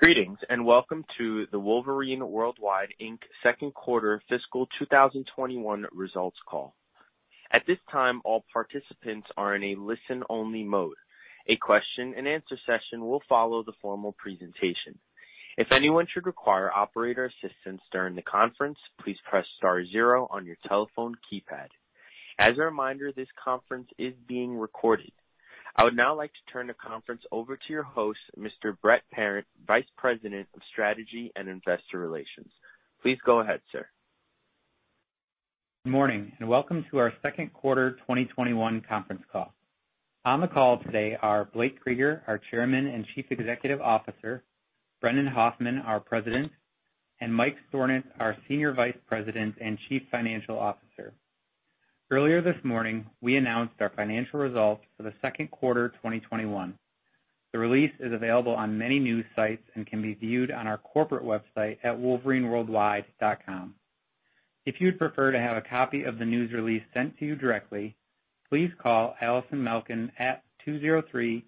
Greetings, welcome to the Wolverine World Wide, Inc. second quarter fiscal 2021 results call. At this time, all participants are in a listen-only mode. A question and answer session will follow the formal presentation. If anyone should require operator assistance during the conference, please press star zero on your telephone keypad. As a reminder, this conference is being recorded. I would now like to turn the conference over to your host, Mr. Brett Parent, Vice President of Strategy and Investor Relations. Please go ahead, sir. Morning, and welcome to our second quarter 2021 conference call. On the call today are Blake W. Krueger, our Chairman and Chief Executive Officer, Brendan Hoffman, our President, and Mike Stornant, our Senior Vice President and Chief Financial Officer. Earlier this morning, we announced our financial results for the second quarter 2021. The release is available on many news sites and can be viewed on our corporate website at wolverineworldwide.com. If you'd prefer to have a copy of the news release sent to you directly, please call Allison Malkin at 203-682-8225.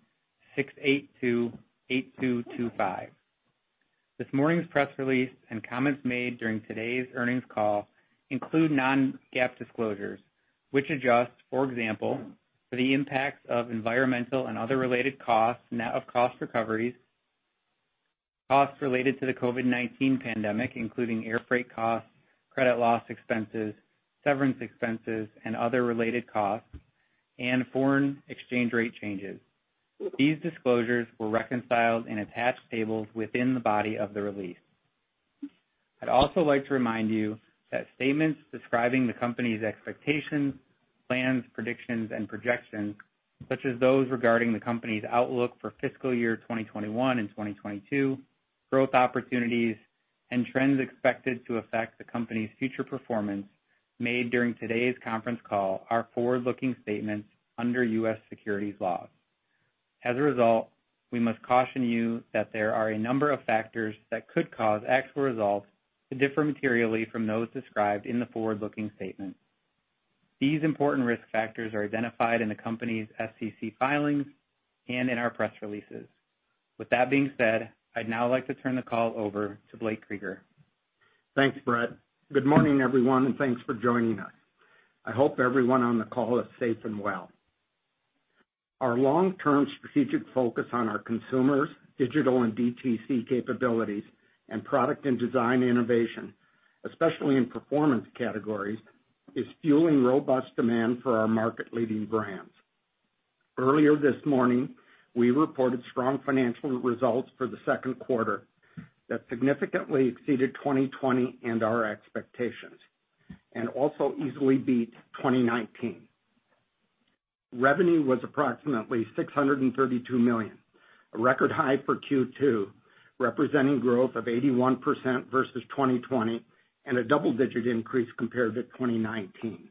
This morning's press release and comments made during today's earnings call include non-GAAP disclosures, which adjust, for example, for the impacts of environmental and other related costs, net of cost recoveries, costs related to the COVID-19 pandemic, including air freight costs, credit loss expenses, severance expenses and other related costs, and foreign exchange rate changes. These disclosures were reconciled in attached tables within the body of the release. I'd also like to remind you that statements describing the company's expectations, plans, predictions, and projections, such as those regarding the company's outlook for fiscal year 2021 and 2022, growth opportunities, and trends expected to affect the company's future performance made during today's conference call are forward-looking statements under U.S. securities laws. As a result, we must caution you that there are a number of factors that could cause actual results to differ materially from those described in the forward-looking statements. These important risk factors are identified in the company's SEC filings and in our press releases. With that being said, I'd now like to turn the call over to Blake W. Krueger. Thanks, Brett. Good morning, everyone, and thanks for joining us. I hope everyone on the call is safe and well. Our long-term strategic focus on our consumers, digital and DTC capabilities, and product and design innovation, especially in performance categories, is fueling robust demand for our market-leading brands. Earlier this morning, we reported strong financial results for the second quarter that significantly exceeded 2020 and our expectations, and also easily beat 2019. Revenue was approximately $632 million, a record high for Q2, representing growth of 81% versus 2020 and a double-digit increase compared to 2019.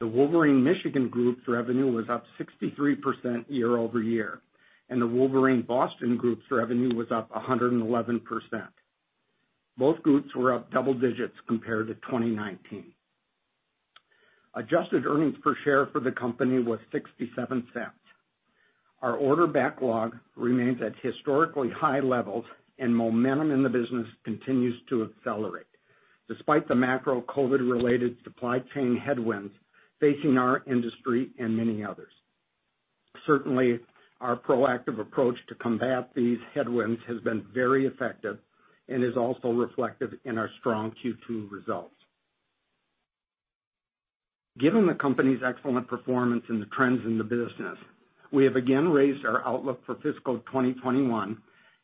The Wolverine Michigan Group's revenue was up 63% year-over-year, and the Wolverine Boston Group's revenue was up 111%. Both groups were up double digits compared to 2019. Adjusted earnings per share for the company was $0.67. Our order backlog remains at historically high levels, and momentum in the business continues to accelerate despite the macro COVID-19-related supply chain headwinds facing our industry and many others. Certainly, our proactive approach to combat these headwinds has been very effective and is also reflected in our strong Q2 results. Given the company's excellent performance and the trends in the business, we have again raised our outlook for fiscal 2021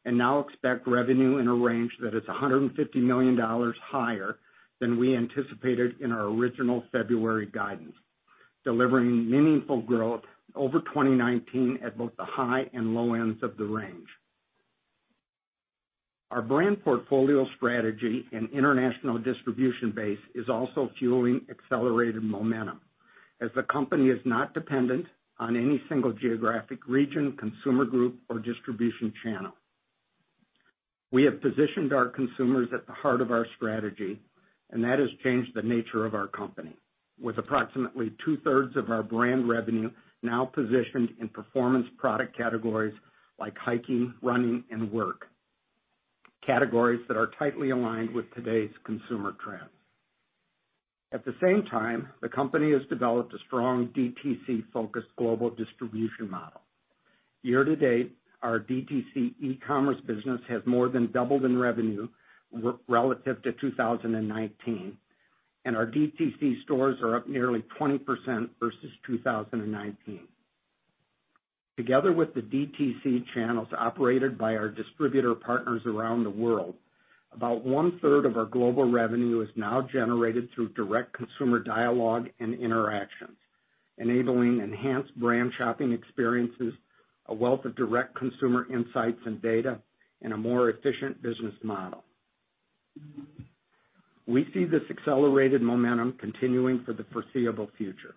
and now expect revenue in a range that is $150 million higher than we anticipated in our original February guidance, delivering meaningful growth over 2019 at both the high and low ends of the range. Our brand portfolio strategy and international distribution base is also fueling accelerated momentum as the company is not dependent on any single geographic region, consumer group, or distribution channel. We have positioned our consumers at the heart of our strategy, and that has changed the nature of our company, with approximately two-thirds of our brand revenue now positioned in performance product categories like hiking, running, and work. Categories that are tightly aligned with today's consumer trends. At the same time, the company has developed a strong DTC-focused global distribution model. Year-to-date, our DTC e-commerce business has more than doubled in revenue relative to 2019, and our DTC stores are up nearly 20% versus 2019. Together with the DTC channels operated by our distributor partners around the world, about one-third of our global revenue is now generated through direct consumer dialogue and interaction, enabling enhanced brand shopping experiences, a wealth of direct consumer insights and data, and a more efficient business model. We see this accelerated momentum continuing for the foreseeable future.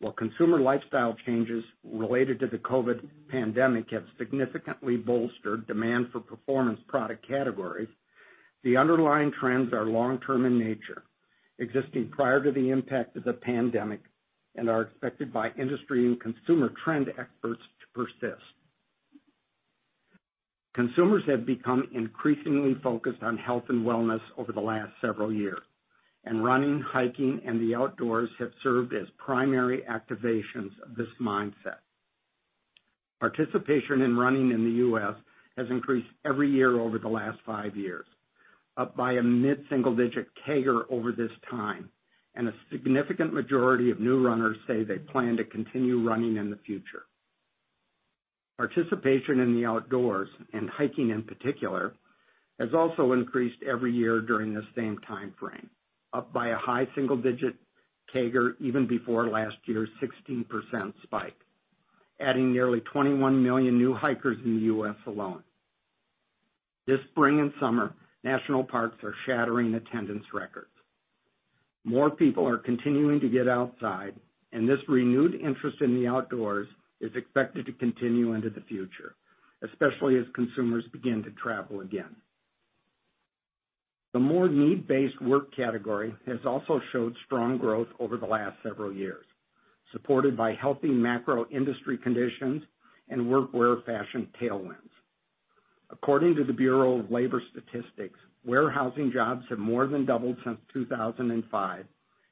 While consumer lifestyle changes related to the COVID-19 pandemic have significantly bolstered demand for performance product categories. The underlying trends are long term in nature, existing prior to the impact of the pandemic, and are expected by industry and consumer trend experts to persist. Consumers have become increasingly focused on health and wellness over the last several years, and running, hiking, and the outdoors have served as primary activations of this mindset. Participation in running in the U.S. has increased every year over the last five years, up by a mid-single-digit CAGR over this time, and a significant majority of new runners say they plan to continue running in the future. Participation in the outdoors, and hiking in particular, has also increased every year during the same time frame, up by a high single-digit CAGR even before last year's 16% spike, adding nearly 21 million new hikers in the U.S. alone. This spring and summer, national parks are shattering attendance records. More people are continuing to get outside, and this renewed interest in the outdoors is expected to continue into the future, especially as consumers begin to travel again. The more need-based work category has also showed strong growth over the last several years, supported by healthy macro industry conditions and workwear fashion tailwinds. According to the Bureau of Labor Statistics, warehousing jobs have more than doubled since 2005,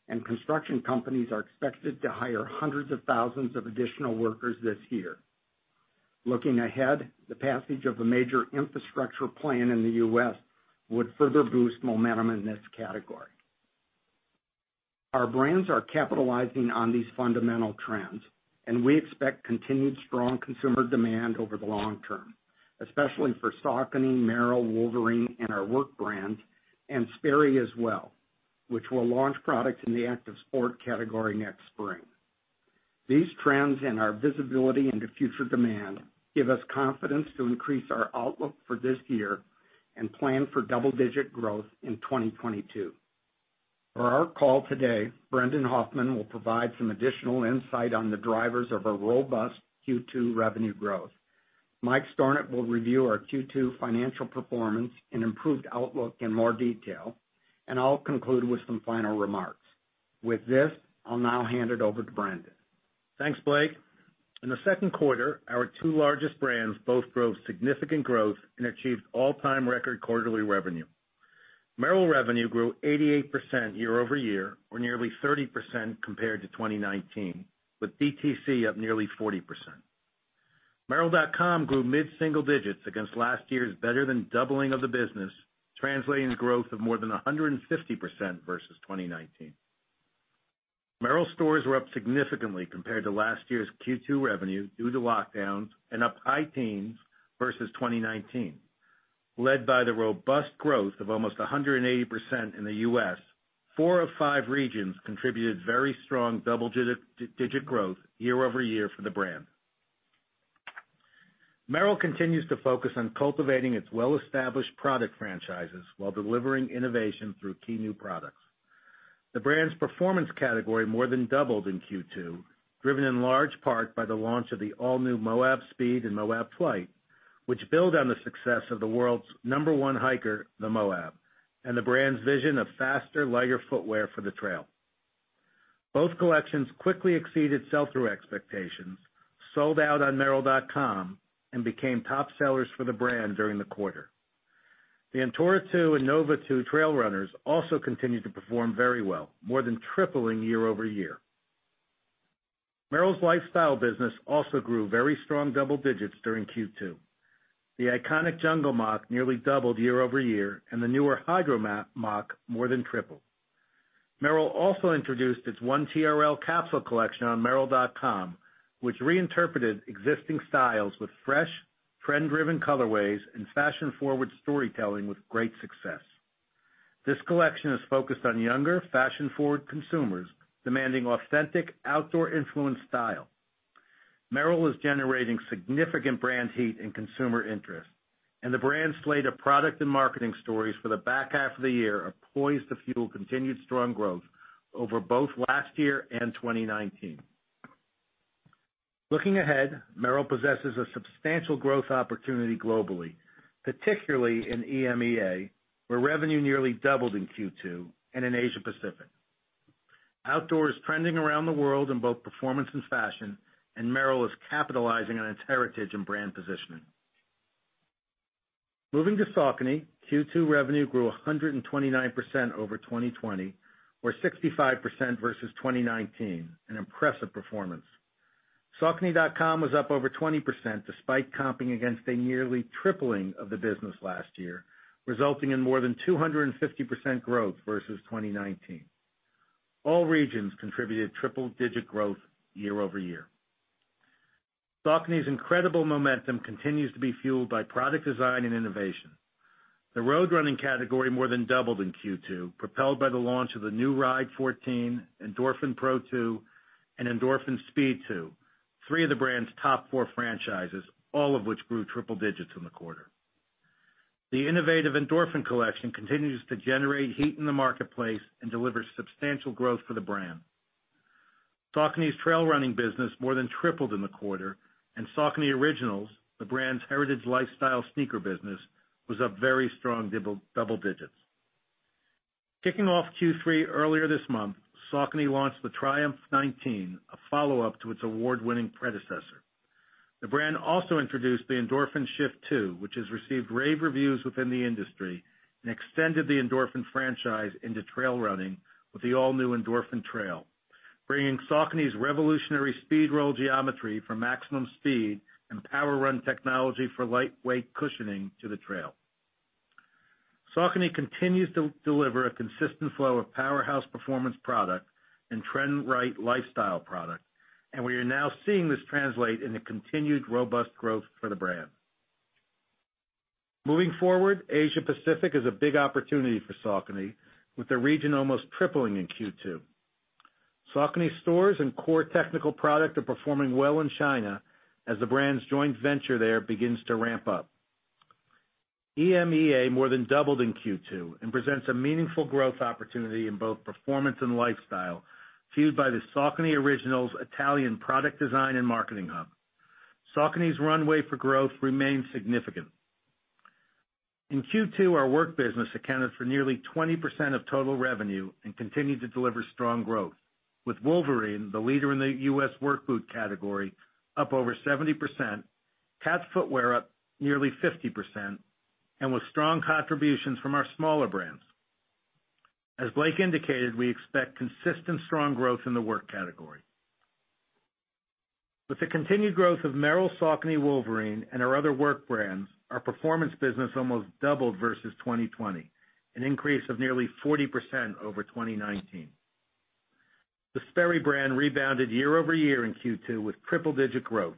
and construction companies are expected to hire hundreds of thousands of additional workers this year. Looking ahead, the passage of a major infrastructure plan in the U.S. would further boost momentum in this category. Our brands are capitalizing on these fundamental trends, and we expect continued strong consumer demand over the long term, especially for Saucony, Merrell, Wolverine, and our work brand, and Sperry as well, which will launch products in the active sport category next spring. These trends and our visibility into future demand give us confidence to increase our outlook for this year and plan for double-digit growth in 2022. For our call today, Brendan Hoffman will provide some additional insight on the drivers of our robust Q2 revenue growth. Mike Stornant will review our Q2 financial performance and improved outlook in more detail, and I'll conclude with some final remarks. With this, I'll now hand it over to Brendan. Thanks, Blake. In the second quarter, our two largest brands both drove significant growth and achieved all-time record quarterly revenue. Merrell revenue grew 88% year-over-year, or nearly 30% compared to 2019, with DTC up nearly 40%. Merrell.com grew mid-single digits against last year's better than doubling of the business, translating growth of more than 150% versus 2019. Merrell stores were up significantly compared to last year's Q2 revenue due to lockdowns and up high teens versus 2019. Led by the robust growth of almost 180% in the U.S., four of five regions contributed very strong double-digit growth year-over-year for the brand. Merrell continues to focus on cultivating its well-established product franchises while delivering innovation through key new products. The brand's performance category more than doubled in Q2, driven in large part by the launch of the all-new Merrell Moab Speed and Moab Flight, which build on the success of the world's number one hiker, the Moab, and the brand's vision of faster, lighter footwear for the trail. Both collections quickly exceeded sell-through expectations, sold out on merrell.com, and became top sellers for the brand during the quarter. The Merrell Antora 2 and Nova 2 trail runners also continued to perform very well, more than tripling year-over-year. Merrell's lifestyle business also grew very strong double digits during Q2. The iconic Merrell Jungle Moc nearly doubled year-over-year, and the newer Merrell Hydro Moc more than tripled. Merrell also introduced its 1TRL capsule collection on merrell.com, which reinterpreted existing styles with fresh, trend-driven colorways and fashion-forward storytelling with great success. This collection is focused on younger, fashion-forward consumers demanding authentic, outdoor-influenced style. Merrell is generating significant brand heat and consumer interest, and the brand's slate of product and marketing stories for the back half of the year are poised to fuel continued strong growth over both last year and 2019. Looking ahead, Merrell possesses a substantial growth opportunity globally, particularly in EMEA, where revenue nearly doubled in Q2, and in Asia Pacific. Outdoor is trending around the world in both performance and fashion, and Merrell is capitalizing on its heritage and brand positioning. Moving to Saucony, Q2 revenue grew 129% over 2020, or 65% versus 2019, an impressive performance. Saucony.com was up over 20% despite comping against a nearly tripling of the business last year, resulting in more than 250% growth versus 2019. All regions contributed triple-digit growth year-over-year. Saucony's incredible momentum continues to be fueled by product design and innovation. The road running category more than doubled in Q2, propelled by the launch of the new Saucony Ride 14, Endorphin Pro 2, and Endorphin Speed 2, three of the brand's top four franchises, all of which grew triple digits in the quarter. The innovative Endorphin collection continues to generate heat in the marketplace and delivers substantial growth for the brand. Saucony's trail running business more than tripled in the quarter, and Saucony Originals, the brand's heritage lifestyle sneaker business, was up very strong double digits. Kicking off Q3 earlier this month, Saucony launched the Triumph 19, a follow-up to its award-winning predecessor. The brand also introduced the Endorphin Shift 2, which has received rave reviews within the industry, and extended the Endorphin franchise into trail running with the all-new Endorphin Trail, bringing Saucony's revolutionary SPEEDROLL Technology for maximum speed and PWRRUN technology for lightweight cushioning to the trail. Saucony continues to deliver a consistent flow of powerhouse performance product and trend-right lifestyle product, and we are now seeing this translate into continued robust growth for the brand. Moving forward, Asia Pacific is a big opportunity for Saucony, with the region almost tripling in Q2. Saucony stores and core technical product are performing well in China as the brand's joint venture there begins to ramp up. EMEA more than doubled in Q2 and presents a meaningful growth opportunity in both performance and lifestyle, fueled by the Saucony Originals Italian product design and marketing hub. Saucony's runway for growth remains significant. In Q2, our work business accounted for nearly 20% of total revenue and continued to deliver strong growth. With Wolverine, the leader in the U.S. work boot category, up over 70%, CAT Footwear up nearly 50%, and with strong contributions from our smaller brands. As Blake indicated, we expect consistent strong growth in the work category. With the continued growth of Merrell, Saucony, Wolverine, and our other work brands, our performance business almost doubled versus 2020, an increase of nearly 40% over 2019. The Sperry brand rebounded year-over-year in Q2 with triple-digit growth.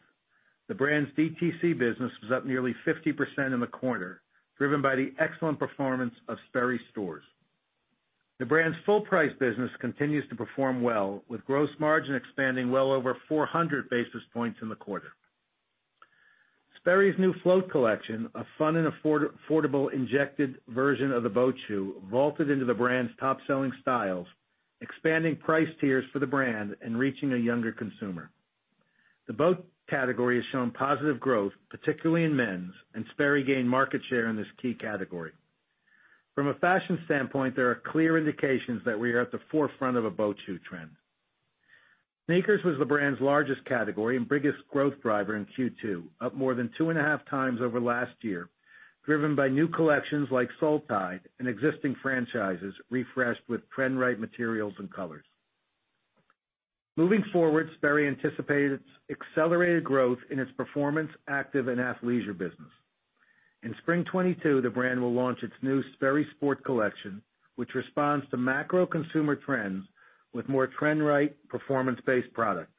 The brand's DTC business was up nearly 50% in the quarter, driven by the excellent performance of Sperry stores. The brand's full price business continues to perform well, with gross margin expanding well over 400 basis points in the quarter. Sperry's new Float collection, a fun and affordable injected version of the boat shoe, vaulted into the brand's top-selling styles, expanding price tiers for the brand and reaching a younger consumer. The boat category has shown positive growth, particularly in men's, and Sperry gained market share in this key category. From a fashion standpoint, there are clear indications that we are at the forefront of a boat shoe trend. Sneakers was the brand's largest category and biggest growth driver in Q2, up more than two and a half times over last year, driven by new collections like Sperry Soletide and existing franchises refreshed with trend-right materials and colors. Moving forward, Sperry anticipates accelerated growth in its performance active and athleisure business. In spring 2022, the brand will launch its new Sperry Sport collection, which responds to macro consumer trends with more trend-right performance-based product.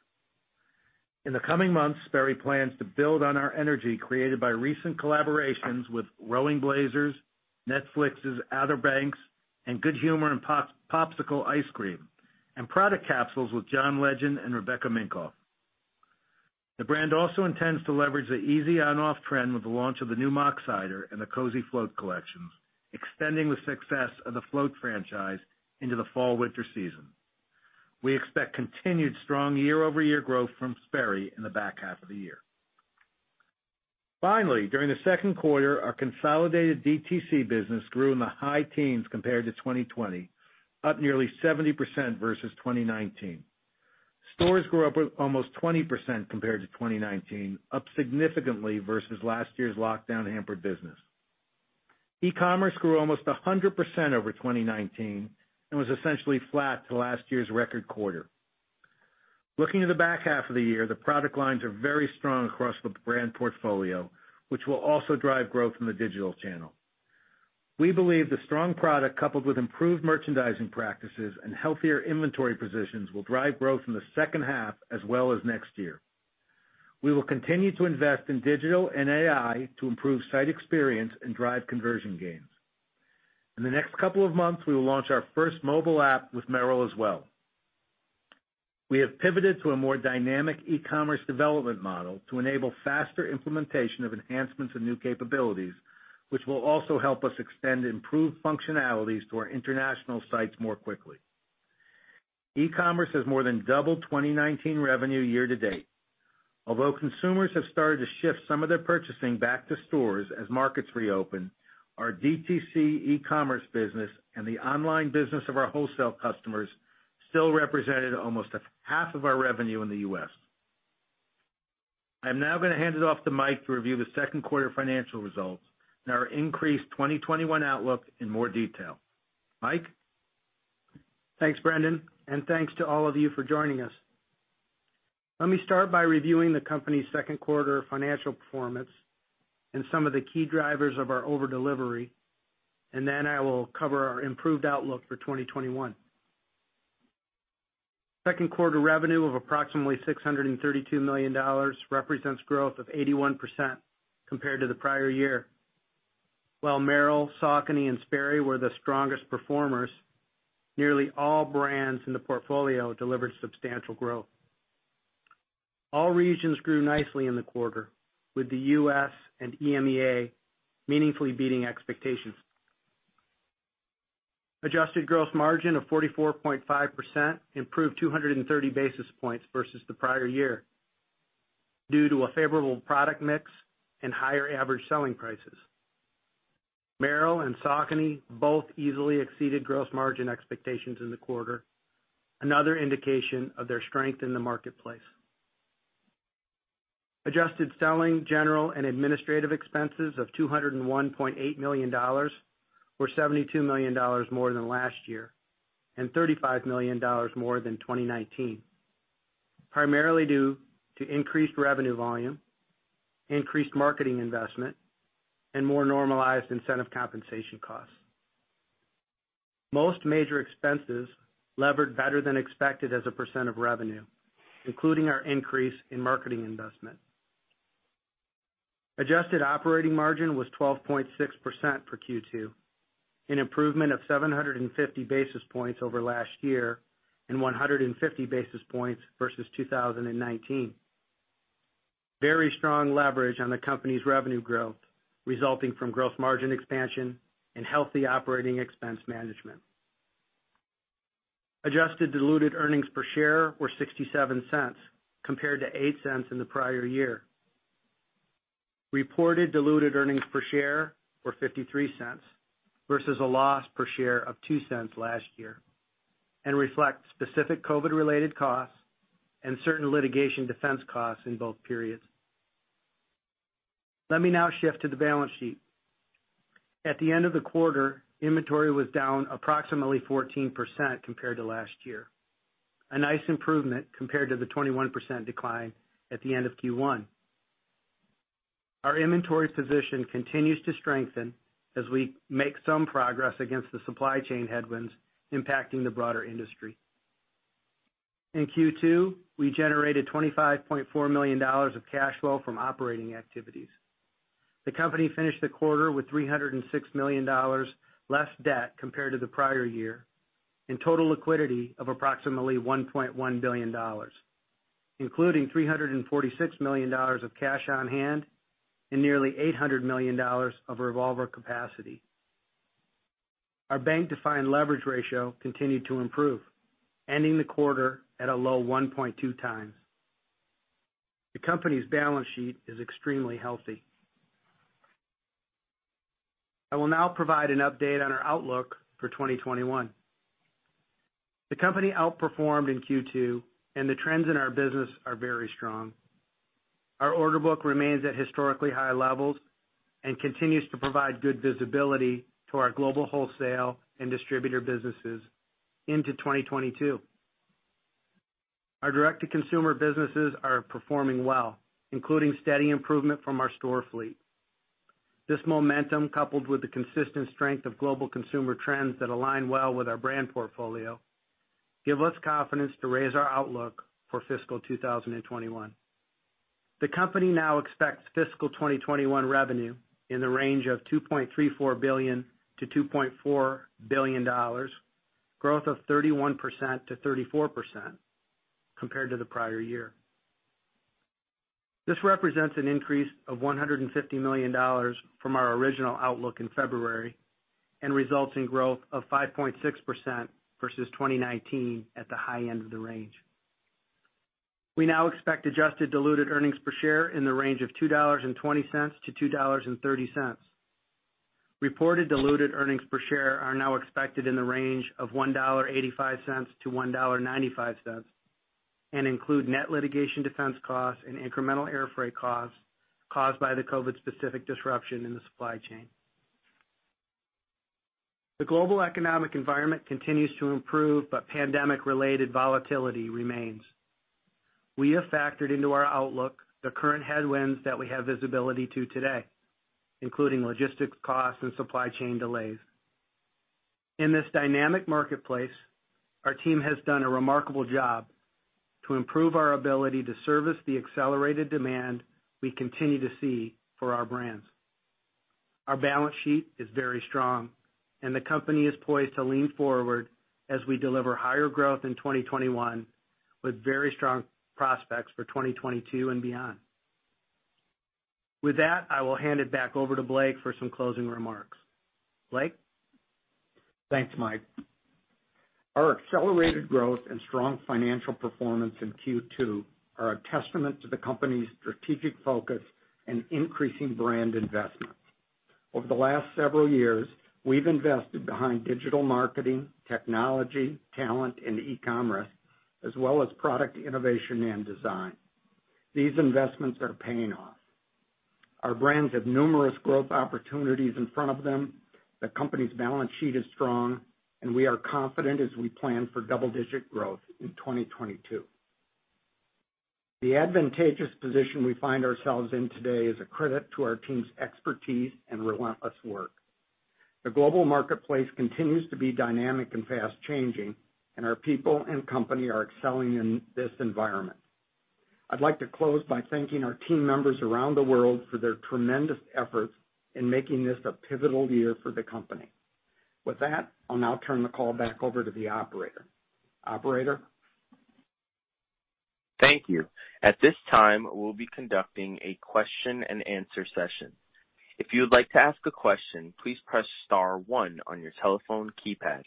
In the coming months, Sperry plans to build on our energy created by recent collaborations with Rowing Blazers, Netflix's "Outer Banks," and Good Humor and Popsicle Ice Cream, and product capsules with John Legend and Rebecca Minkoff. The brand also intends to leverage the easy on/off trend with the launch of the new Sperry Moc-Sider and the Cozy Float collections, extending the success of the Float franchise into the fall/winter season. We expect continued strong year-over-year growth from Sperry in the back half of the year. Finally, during the second quarter, our consolidated DTC business grew in the high teens compared to 2020, up nearly 70% versus 2019. Stores grew up almost 20% compared to 2019, up significantly versus last year's lockdown-hampered business. E-commerce grew almost 100% over 2019 and was essentially flat to last year's record quarter. Looking at the back half of the year, the product lines are very strong across the brand portfolio, which will also drive growth in the digital channel. We believe the strong product, coupled with improved merchandising practices and healthier inventory positions, will drive growth in the second half as well as next year. We will continue to invest in digital and AI to improve site experience and drive conversion gains. In the next couple of months, we will launch our first mobile app with Merrell as well. We have pivoted to a more dynamic e-commerce development model to enable faster implementation of enhancements and new capabilities, which will also help us extend improved functionalities to our international sites more quickly. E-commerce has more than doubled 2019 revenue year to date. Although consumers have started to shift some of their purchasing back to stores as markets reopen, our DTC e-commerce business and the online business of our wholesale customers still represented almost a half of our revenue in the U.S. I'm now going to hand it off to Mike to review the second quarter financial results and our increased 2021 outlook in more detail. Mike? Thanks, Brendan, and thanks to all of you for joining us. Let me start by reviewing the company's second quarter financial performance and some of the key drivers of our over delivery, and then I will cover our improved outlook for 2021. Second quarter revenue of approximately $632 million represents growth of 81% compared to the prior year. While Merrell, Saucony, and Sperry were the strongest performers, nearly all brands in the portfolio delivered substantial growth. All regions grew nicely in the quarter, with the U.S. and EMEA meaningfully beating expectations. Adjusted gross margin of 44.5% improved 230 basis points versus the prior year due to a favorable product mix and higher average selling prices. Merrell and Saucony both easily exceeded gross margin expectations in the quarter, another indication of their strength in the marketplace. Adjusted selling, general, and administrative expenses of $201.8 million were $72 million more than last year and $35 million more than 2019, primarily due to increased revenue volume, increased marketing investment, and more normalized incentive compensation costs. Most major expenses levered better than expected as a percent of revenue, including our increase in marketing investment. Adjusted operating margin was 12.6% for Q2, an improvement of 750 basis points over last year and 150 basis points versus 2019. Very strong leverage on the company's revenue growth resulting from gross margin expansion and healthy operating expense management. Adjusted diluted earnings per share were $0.67 compared to $0.08 in the prior year. Reported diluted earnings per share were $0.53 versus a loss per share of $0.02 last year, and reflect specific COVID-19 related costs and certain litigation defense costs in both periods. Let me now shift to the balance sheet. At the end of the quarter, inventory was down approximately 14% compared to last year. A nice improvement compared to the 21% decline at the end of Q1. Our inventory position continues to strengthen as we make some progress against the supply chain headwinds impacting the broader industry. In Q2, we generated $25.4 million of cash flow from operating activities. The company finished the quarter with $306 million less debt compared to the prior year, and total liquidity of approximately $1.1 billion, including $346 million of cash on hand and nearly $800 million of revolver capacity. Our bank-defined leverage ratio continued to improve, ending the quarter at a low 1.2x. The company's balance sheet is extremely healthy. I will now provide an update on our outlook for 2021. The company outperformed in Q2, and the trends in our business are very strong. Our order book remains at historically high levels and continues to provide good visibility to our global wholesale and distributor businesses into 2022. Our direct-to-consumer businesses are performing well, including steady improvement from our store fleet. This momentum, coupled with the consistent strength of global consumer trends that align well with our brand portfolio, give us confidence to raise our outlook for fiscal 2021. The company now expects fiscal 2021 revenue in the range of $2.34 billion-$2.4 billion, growth of 31%-34% compared to the prior year. This represents an increase of $150 million from our original outlook in February, and results in growth of 5.6% versus 2019 at the high end of the range. We now expect adjusted diluted earnings per share in the range of $2.20-$2.30. Reported diluted earnings per share are now expected in the range of $1.85-$1.95, include net litigation defense costs and incremental airfreight costs caused by the COVID-specific disruption in the supply chain. The global economic environment continues to improve, but pandemic related volatility remains. We have factored into our outlook the current headwinds that we have visibility to today, including logistics costs and supply chain delays. In this dynamic marketplace, our team has done a remarkable job to improve our ability to service the accelerated demand we continue to see for our brands. Our balance sheet is very strong, the company is poised to lean forward as we deliver higher growth in 2021, with very strong prospects for 2022 and beyond. With that, I will hand it back over to Blake for some closing remarks. Blake? Thanks, Mike. Our accelerated growth and strong financial performance in Q2 are a testament to the company's strategic focus and increasing brand investments. Over the last several years, we've invested behind digital marketing, technology, talent, and e-commerce, as well as product innovation and design. These investments are paying off. Our brands have numerous growth opportunities in front of them. The company's balance sheet is strong, and we are confident as we plan for double-digit growth in 2022. The advantageous position we find ourselves in today is a credit to our team's expertise and relentless work. The global marketplace continues to be dynamic and fast-changing, and our people and company are excelling in this environment. I'd like to close by thanking our team members around the world for their tremendous efforts in making this a pivotal year for the company. With that, I'll now turn the call back over to the operator. Operator? Thank you. At this time, we'll be conducting a question and answer session. If you would like to ask a question, please press star one on your telephone keypad.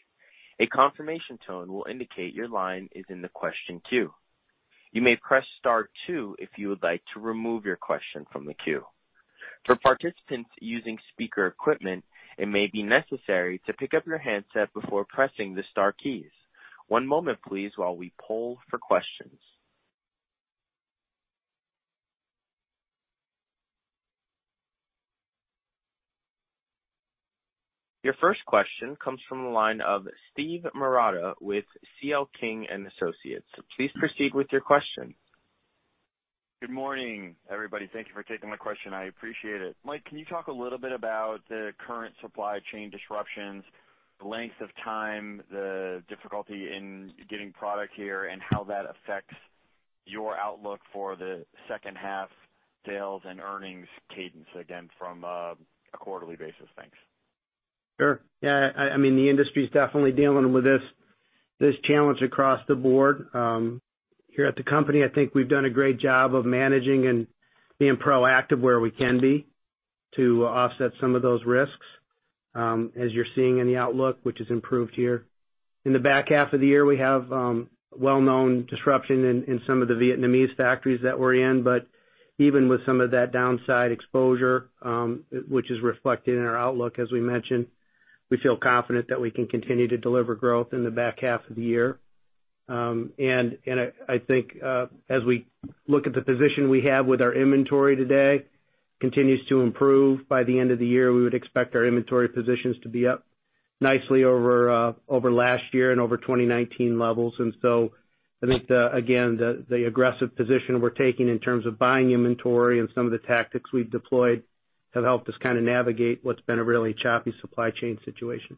A confirmation tone will indicate your line is in the question, too. You may press star two, if you would like to remove your question from the queue? For participants using speaker equipment, it may be necessary to pick up your handset before pressing the star keys. One moment, please, while we poll for questions. Your first question comes from the line of Steven Marotta with C.L. King & Associates. Please proceed with your question. Good morning, everybody. Thank you for taking my question. I appreciate it. Mike, can you talk a little bit about the current supply chain disruptions, the length of time, the difficulty in getting product here, and how that affects your outlook for the second half sales and earnings cadence again from a quarterly basis? Thanks. Sure. Yeah. The industry's definitely dealing with this challenge across the board. Here at the company, I think we've done a great job of managing and being proactive where we can be to offset some of those risks, as you're seeing in the outlook, which has improved here. In the back half of the year, we have well-known disruption in some of the Vietnamese factories that we're in. Even with some of that downside exposure, which is reflected in our outlook as we mentioned, we feel confident that we can continue to deliver growth in the back half of the year. I think as we look at the position we have with our inventory today, continues to improve. By the end of the year, we would expect our inventory positions to be up nicely over last year and over 2019 levels. I think, again, the aggressive position we're taking in terms of buying inventory and some of the tactics we've deployed have helped us kind of navigate what's been a really choppy supply chain situation.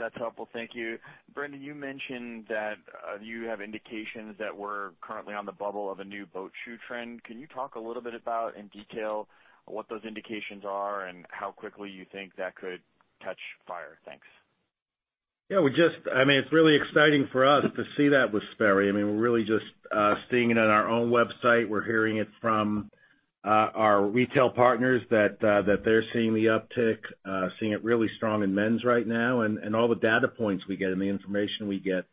That's helpful. Thank you. Brendan, you mentioned that you have indications that we're currently on the bubble of a new boat shoe trend. Can you talk a little bit about, in detail, what those indications are and how quickly you think that could catch fire? Thanks. It's really exciting for us to see that with Sperry. We're really just seeing it on our own website. We're hearing it from our retail partners that they're seeing the uptick, seeing it really strong in men's right now, and all the data points we get and the information we get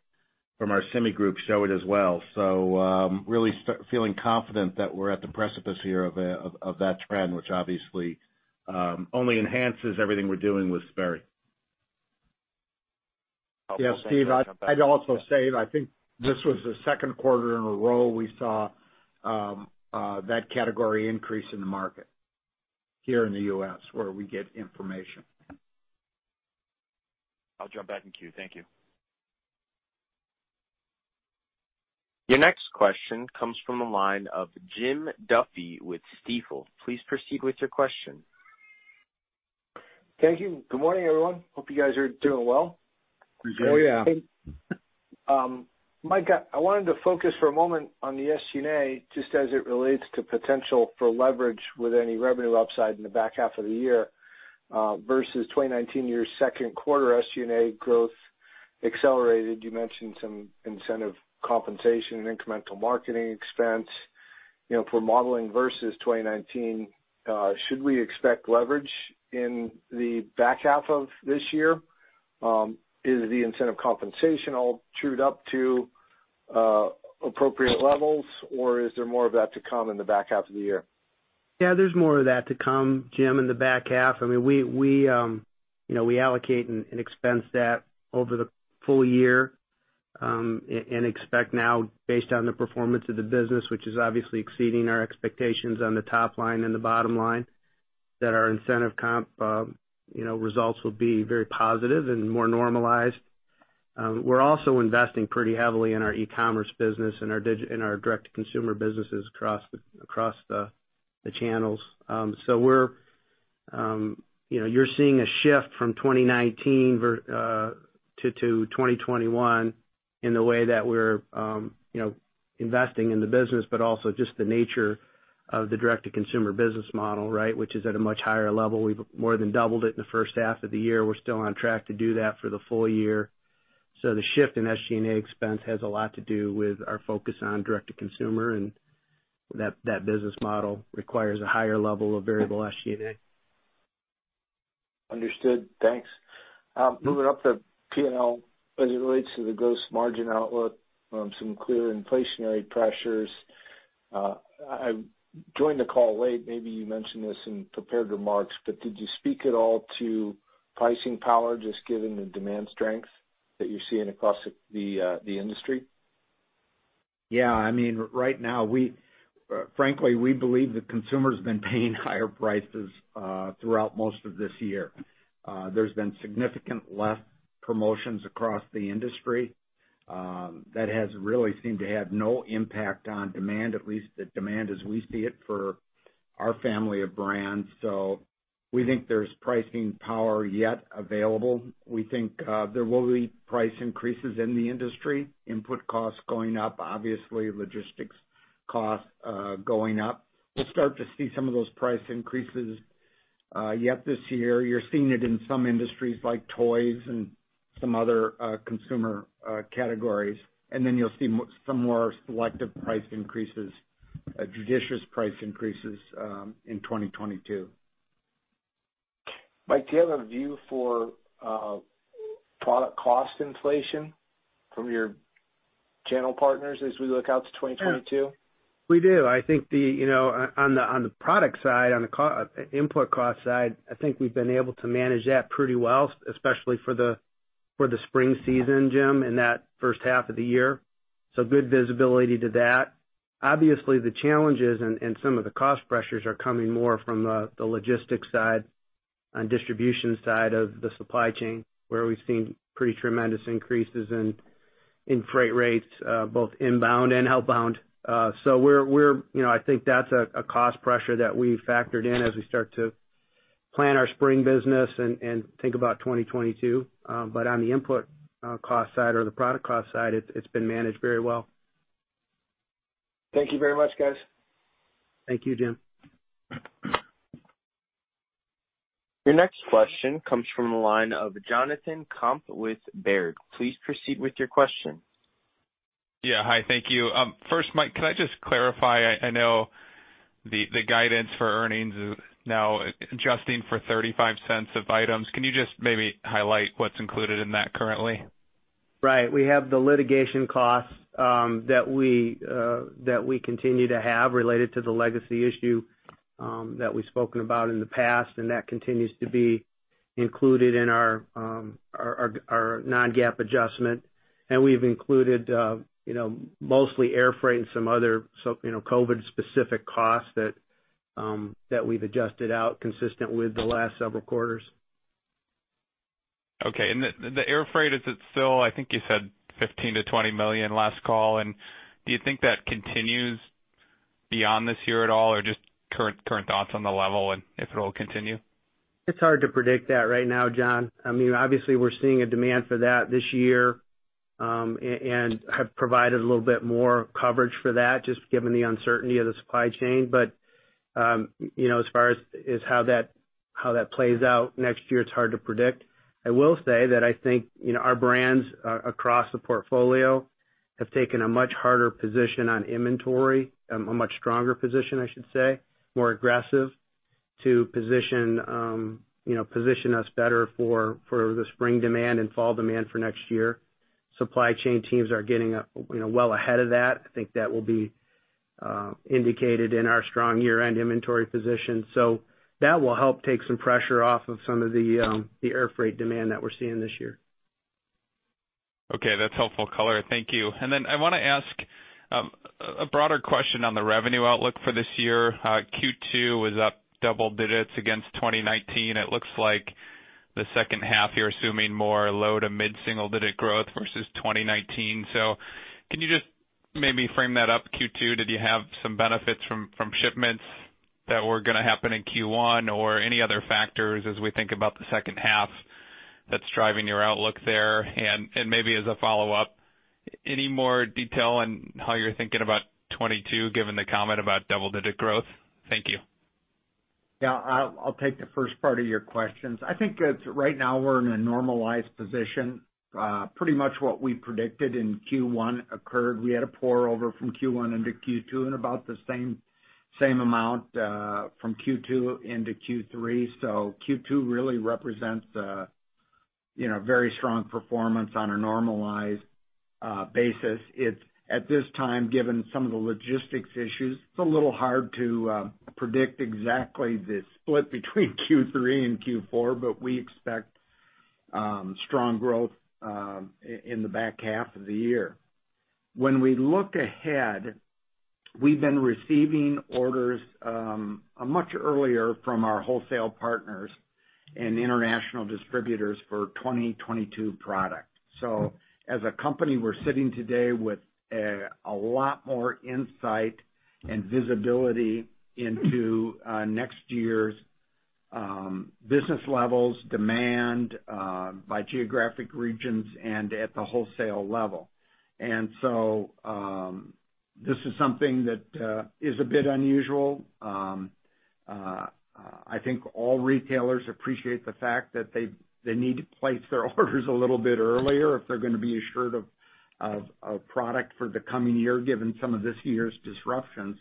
from our group show it as well. Really feeling confident that we're at the precipice here of that trend, which obviously only enhances everything we're doing with Sperry. I'll jump back in queue. Yeah, Steven, I'd also say, I think this was the second quarter in a row we saw that category increase in the market here in the U.S. where we get information. I'll jump back in queue. Thank you. Your next question comes from the line of Jim Duffy with Stifel. Please proceed with your question. Thank you. Good morning, everyone. Hope you guys are doing well. We sure are. Yeah. Mike, I wanted to focus for a moment on the SG&A, just as it relates to potential for leverage with any revenue upside in the back half of the year, versus 2019 year second quarter SG&A growth accelerated. You mentioned some incentive compensation and incremental marketing expense. If we're modeling versus 2019, should we expect leverage in the back half of this year? Is the incentive compensation all trued up to appropriate levels, or is there more of that to come in the back half of the year? Yeah, there's more of that to come, Jim, in the back half. We allocate and expense that over the full year, and expect now based on the performance of the business, which is obviously exceeding our expectations on the top line and the bottom line, that our incentive comp results will be very positive and more normalized. We're also investing pretty heavily in our e-commerce business and our direct-to-consumer businesses across the channels. You're seeing a shift from 2019-2021 in the way that we're investing in the business, but also just the nature of the direct-to-consumer business model, which is at a much higher level. We've more than doubled it in the first half of the year. We're still on track to do that for the full year. The shift in SG&A expense has a lot to do with our focus on direct-to-consumer, and that business model requires a higher level of variable SG&A. Understood. Thanks. Moving up the P&L, as it relates to the gross margin outlook, some clear inflationary pressures. I joined the call late, maybe you mentioned this in prepared remarks, but did you speak at all to pricing power, just given the demand strength that you're seeing across the industry? Yeah. Frankly, we believe the consumer's been paying higher prices throughout most of this year. There's been significant less promotions across the industry. That has really seemed to have no impact on demand, at least the demand as we see it for our family of brands. We think there's pricing power yet available. We think there will be price increases in the industry, input costs going up, obviously logistics costs going up. We'll start to see some of those price increases yet this year, you're seeing it in some industries like toys and some other consumer categories. You'll see some more selective price increases, judicious price increases, in 2022. Mike, do you have a view for product cost inflation from your channel partners as we look out to 2022? We do. I think on the product side, on the input cost side, I think we've been able to manage that pretty well, especially for the spring season, Jim Duffy, in that first half of the year. Good visibility to that. Obviously, the challenges and some of the cost pressures are coming more from the logistics side and distribution side of the supply chain, where we've seen pretty tremendous increases in freight rates, both inbound and outbound. I think that's a cost pressure that we factored in as we start to plan our spring business and think about 2022. On the input cost side or the product cost side, it's been managed very well. Thank you very much, guys. Thank you, Jim. Your next question comes from the line of Jonathan Komp with Baird. Please proceed with your question. Yeah. Hi, thank you. First, Mike, can I just clarify, I know the guidance for earnings now adjusting for $0.35 of items. Can you just maybe highlight what's included in that currently? We have the litigation costs that we continue to have related to the legacy issue that we've spoken about in the past, and that continues to be included in our non-GAAP adjustment. We've included mostly air freight and some other COVID-19 specific costs that we've adjusted out consistent with the last several quarters. Okay. The air freight, is it still, I think you said $15 million-$20 million last call. Do you think that continues beyond this year at all, or just current thoughts on the level and if it'll continue? It's hard to predict that right now, Jonathan. Obviously, we're seeing a demand for that this year, and have provided a little bit more coverage for that, just given the uncertainty of the supply chain. As far as how that plays out next year, it's hard to predict. I will say that I think our brands across the portfolio have taken a much harder position on inventory, a much stronger position, I should say, more aggressive to position us better for the spring demand and fall demand for next year. Supply chain teams are getting well ahead of that. I think that will be indicated in our strong year-end inventory position. That will help take some pressure off of some of the air freight demand that we're seeing this year. Okay, that's helpful color. Thank you. I want to ask a broader question on the revenue outlook for this year. Q2 was up double digits against 2019. It looks like the second half, you're assuming more low to mid single digit growth versus 2019. Can you just maybe frame that up? Q2, did you have some benefits from shipments that were going to happen in Q1 or any other factors as we think about the second half that's driving your outlook there? Maybe as a follow-up, any more detail on how you're thinking about 2022 given the comment about double digit growth? Thank you. Yeah, I'll take the first part of your questions. I think right now we're in a normalized position. Pretty much what we predicted in Q1 occurred. We had a pour over from Q1 into Q2 and about the same amount from Q2 into Q3. Q2 really represents a very strong performance on a normalized basis. At this time, given some of the logistics issues, it's a little hard to predict exactly the split between Q3 and Q4, but we expect strong growth in the back half of the year. When we look ahead, we've been receiving orders much earlier from our wholesale partners and international distributors for 2022 product. As a company, we're sitting today with a lot more insight and visibility into next year's business levels, demand by geographic regions, and at the wholesale level. This is something that is a bit unusual. I think all retailers appreciate the fact that they need to place their orders a little bit earlier if they're going to be assured of a product for the coming year, given some of this year's disruption.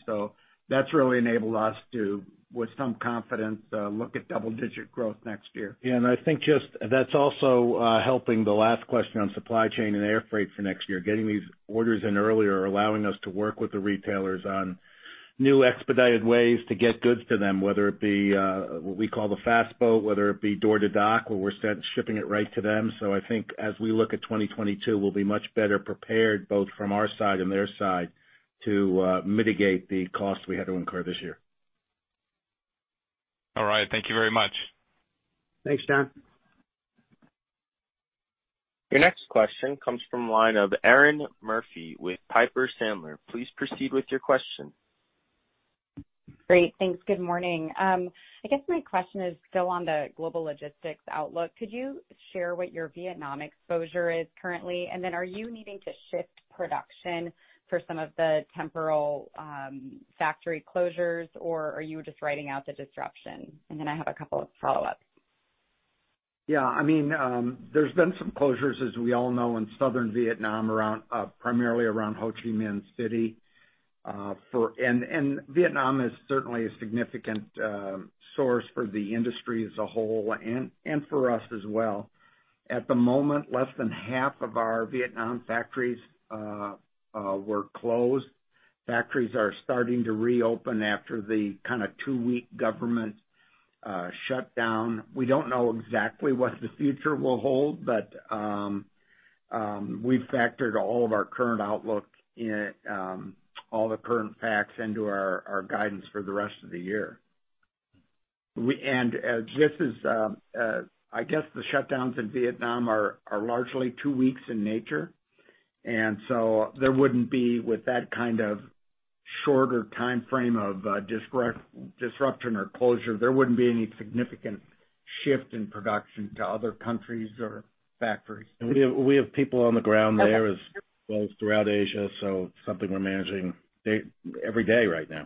That's really enabled us to, with some confidence, look at double-digit growth next year. I think just that's also helping the last question on supply chain and air freight for next year, getting these orders in earlier, allowing us to work with the retailers on new expedited ways to get goods to them, whether it be what we call the fast boat, whether it be door-to-dock, where we're shipping it right to them. I think as we look at 2022, we'll be much better prepared, both from our side and their side, to mitigate the cost we had to incur this year. All right. Thank you very much. Thanks, Jonathan. Your next question comes from the line of Erinn Murphy with Piper Sandler. Please proceed with your question. Great. Thanks. Good morning. I guess my question is still on the global logistics outlook. Could you share what your Vietnam exposure is currently? Are you needing to shift production for some of the temporal factory closures, or are you just writing out the disruption? I have a couple of follow-ups. Yeah. There's been some closures, as we all know, in southern Vietnam, primarily around Ho Chi Minh City. Vietnam is certainly a significant source for the industry as a whole and for us as well. At the moment, less than half of our Vietnam factories were closed. Factories are starting to reopen after the two-week government shutdown. We don't know exactly what the future will hold, but we've factored all the current facts into our guidance for the rest of the year. I guess the shutdowns in Vietnam are largely two weeks in nature. So there wouldn't be, with that kind of shorter timeframe of disruption or closure, there wouldn't be any significant shift in production to other countries or factories. We have people on the ground there as well as throughout Asia. It's something we're managing every day right now.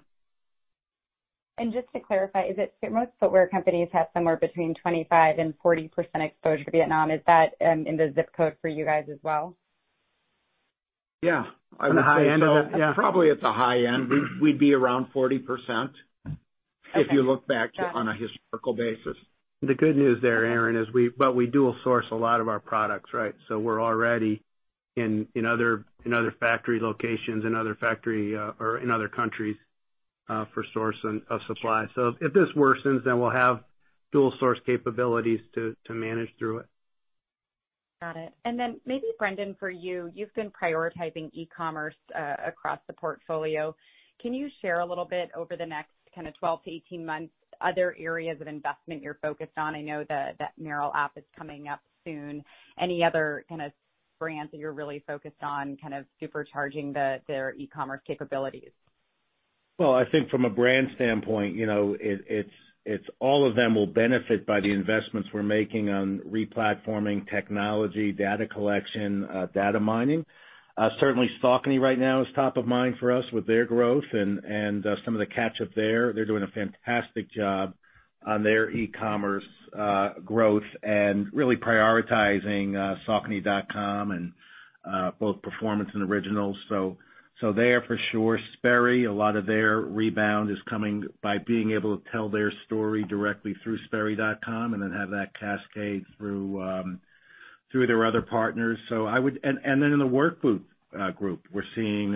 Just to clarify, most footwear companies have somewhere between 25% and 40% exposure to Vietnam. Is that in the zip code for you guys as well? Yeah. On the high end of it, yeah. Probably at the high end. We'd be around 40%. Okay if you look back on a historical basis. The good news there, Erinn, is we dual source a lot of our products, right? We're already in other factory locations, in other countries for source of supply. If this worsens, we'll have dual source capabilities to manage through it. Got it. Maybe Brendan, for you. You've been prioritizing e-commerce across the portfolio. Can you share a little bit over the next 12-18 months, other areas of investment you're focused on? I know that Merrell app is coming up soon. Any other brands that you're really focused on supercharging their e-commerce capabilities? Well, I think from a brand standpoint, all of them will benefit by the investments we're making on re-platforming technology, data collection, data mining. Saucony right now is top of mind for us with their growth and some of the catch-up there. They're doing a fantastic job on their e-commerce growth and really prioritizing saucony.com and both performance and Originals. They are for sure. Sperry, a lot of their rebound is coming by being able to tell their story directly through sperry.com and then have that cascade through their other partners. In the Work Boot group, we're seeing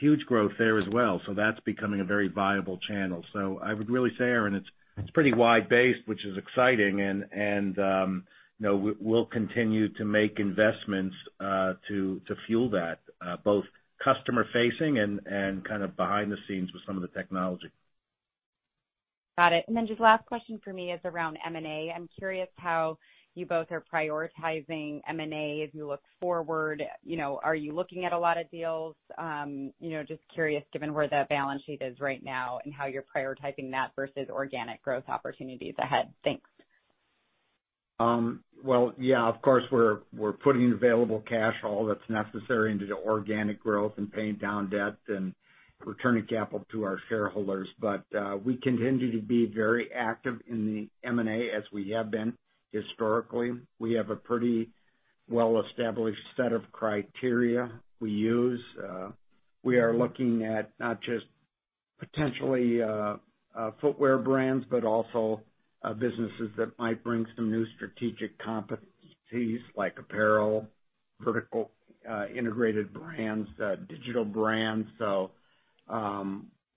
huge growth there as well. That's becoming a very viable channel. I would really say, Erinn Murphy, it's pretty wide-based, which is exciting, and we'll continue to make investments to fuel that both customer facing and behind the scenes with some of the technology. Got it. Just last question for me is around M&A. I am curious how you both are prioritizing M&A as you look forward. Are you looking at a lot of deals? Just curious, given where that balance sheet is right now and how you are prioritizing that versus organic growth opportunities ahead. Thanks. Well, yeah, of course, we're putting available cash, all that's necessary into the organic growth and paying down debt and returning capital to our shareholders. We continue to be very active in the M&A as we have been historically. We have a pretty well-established set of criteria we use. We are looking at not just potentially footwear brands, but also businesses that might bring some new strategic competencies like apparel, vertical integrated brands, digital brands.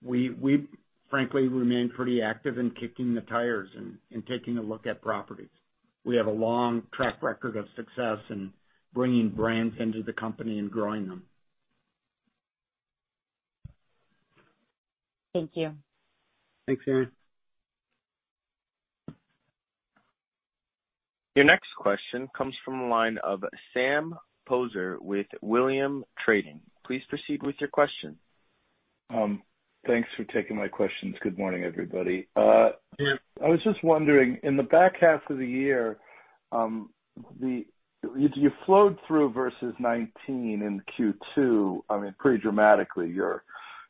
We frankly remain pretty active in kicking the tires and taking a look at properties. We have a long track record of success in bringing brands into the company and growing them. Thank you. Thanks, Erinn. Your next question comes from the line of Sam Poser with Williams Trading. Please proceed with your question. Thanks for taking my questions. Good morning, everybody. I was just wondering, in the back half of the year, you flowed through versus 2019 in Q2 pretty dramatically. Your